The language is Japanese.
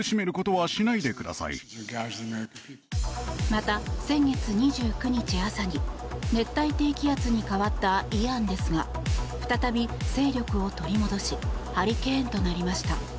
また、先月２９日朝に熱帯低気圧に変わったイアンですが再び勢力を取り戻しハリケーンとなりました。